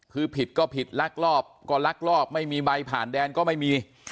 คือผิดก็ผิดลักลอบก็ลักลอบไม่มีใบผ่านแดนก็ไม่มี